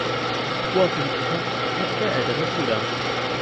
Worthington Cox hat zwei ältere Brüder.